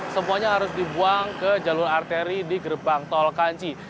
semuanya harus dibuang ke jalur arteri di gerbang tol kanci